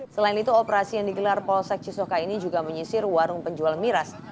selain itu operasi yang digelar polsek cisoka ini juga menyisir warung penjual miras